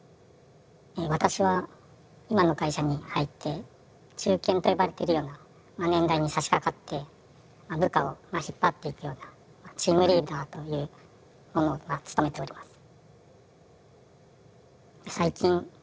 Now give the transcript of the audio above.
私は今の会社に入って中堅と呼ばれてるような年代にさしかかって部下を引っ張っていくようなチームリーダーというものをまあ務めております。